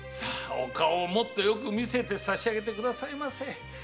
お顔をもっとよく見せてさしあげてくださいませ。